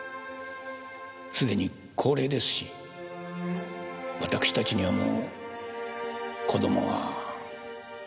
すでに高齢ですし私たちにはもう子供は。